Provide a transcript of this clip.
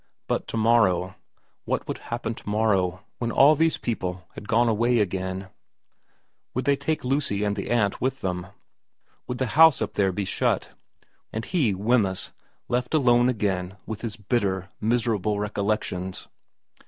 But to morrow, what would happen to morrow, when all these people had gone away again ? Would they take Lucy and the aunt with them ? Would the house up there be shut, and he, Wemyss, left alone again with his bitter, miserable recollections